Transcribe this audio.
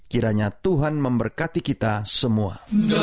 kiranya tuhan memberkati kita semua